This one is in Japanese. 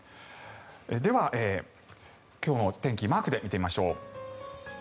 では、今日の天気マークで見てみましょう。